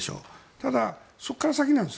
ただ、そこから先なんです。